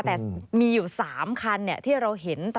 แต่มีอยู่๓คันที่เราเห็น